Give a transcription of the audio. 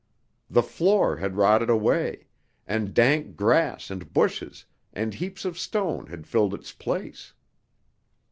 The floor had rotted away, and dank grass and bushes and heaps of stone had filled its place.